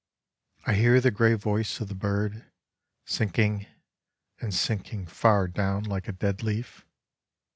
I hear the gray voice of the bird sinking and sinking far down like a dead leaf.